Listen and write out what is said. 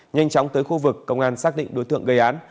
nhanh chóng tới khu vực công an xác định đối tượng gây án